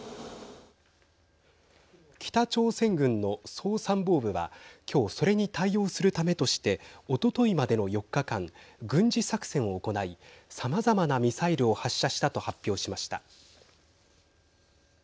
北朝鮮軍の総参謀部は今日、それに対応するためとしておとといまでの４日間軍事作戦を行いさまざまなミサイルを発射したと発表しました。